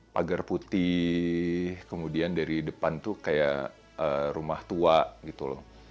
pagar putih kemudian dari depan tuh kayak rumah tua gitu loh